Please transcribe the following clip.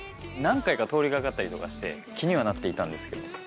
何回か通り掛かったりとかして気にはなっていたんですけど。